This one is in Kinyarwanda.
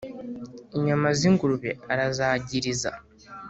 Inyama z'ingurube arazagiriza: